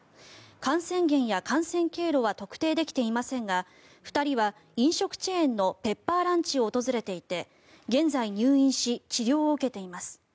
感染源や感染経路は特定できていませんが２人は飲食チェーンのペッパーランチを訪れていて現在、入院し治療を受けています。